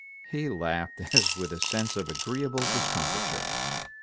He laughed as with a sense of agreeable discomfiture.